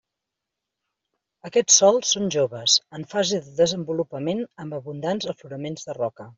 Aquests sòls són joves, en fase de desenvolupament amb abundants afloraments de roca.